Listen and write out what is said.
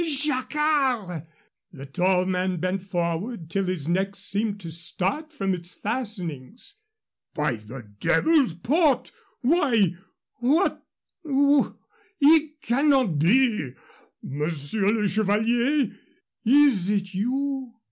"Jacquard!" The tall man bent forward till his neck seemed to start from its fastenings. "By the Devil's Pot! why, what wh ? It cannot be Monsieur le Chevalier! Is it you?"